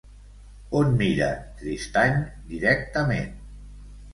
On mira Tristany directament?